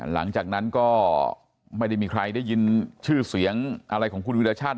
หลังจากนั้นก็ไม่ได้มีใครได้ยินชื่อเสียงอะไรของคุณวิรชาติ